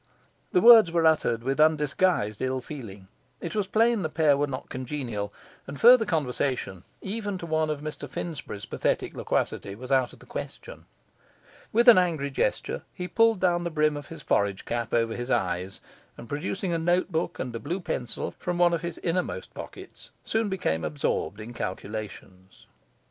The words were uttered with undisguised ill feeling; it was plain the pair were not congenial, and further conversation, even to one of Mr Finsbury's pathetic loquacity, was out of the question. With an angry gesture, he pulled down the brim of the forage cap over his eyes, and, producing a notebook and a blue pencil from one of his innermost pockets, soon became absorbed in calculations.